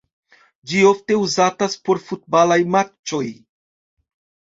Ĝi ofte uzatas por futbalaj matĉoj.